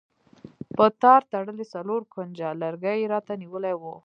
په تار تړلی څلور کونجه لرګی یې راته نیولی و.